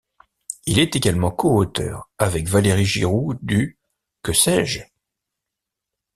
Il est également co-auteur, avec Valéry Giroux du Que sais-je?